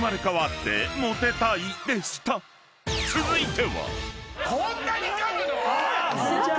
［続いては］